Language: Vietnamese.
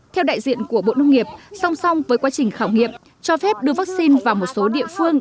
theo đại diện của bộ nông nghiệp song song với quá trình khảo nghiệm cho phép đưa vaccine vào một số địa phương